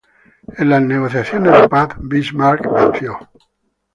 En las negociaciones de paz, Bismarck venció.